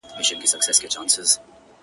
مزمن او ناعلاجه رنځ یوازنی طبیب دی -